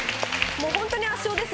本当に圧勝ですね。